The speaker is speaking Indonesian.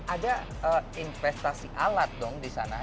ada investasi alat dong di sana